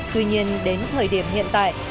tuy nhiên đến thời điểm hiện tại